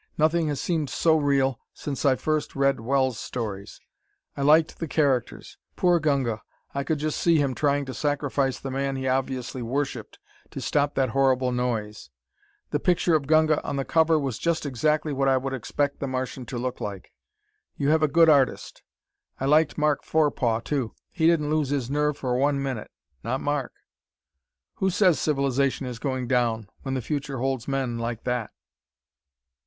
Nothing has seemed so real since I first read Wells' stories. I liked the characters. Poor Gunga. I could just see him, trying to sacrifice the man he obviously worshipped to stop that horrible noise. The picture of Gunga on the cover was just exactly what I would expect the Martian to look like. You have a good artist. I liked Mark Forepaugh, too. He didn't lose his nerve for one minute not Mark. Who says civilization is going down, when the future holds men like that?